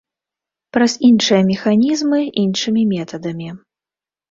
Праз іншыя механізмы, іншымі метадамі.